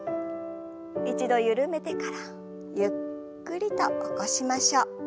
一度緩めてからゆっくりと起こしましょう。